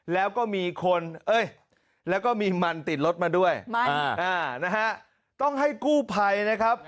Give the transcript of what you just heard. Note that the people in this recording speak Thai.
แล้วก็มีคนเอ้ยแล้วก็มีมันติดรถมาด้วยนะฮะต้องให้กู้ภัยนะครับ